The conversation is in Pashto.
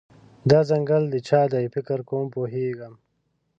دا ځنګل د چا دی، فکر کوم پوهیږم